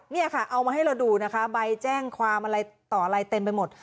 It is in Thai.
เนี่ยค่ะเอามาให้เราดูนะคะใบแจ้งความอะไรต่ออะไรเต็มไปหมด